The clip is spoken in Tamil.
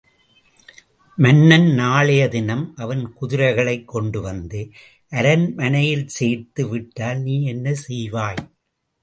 மன்னன் நாளைய தினம் அவன் குதிரைகளைக் கொண்டுவந்து அரண்மனையில் சேர்த்து விட்டால் நீ என்ன செய்வாய்?